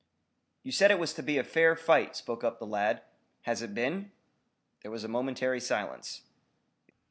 "You said it was to be a fair fight," spoke up the lad. "Has it been?" There was a momentary silence.